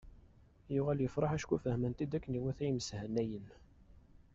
Yuɣal yefreḥ acku fehmen-t-id akken i iwata yimeshanayen.